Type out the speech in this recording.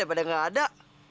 daripada gak ada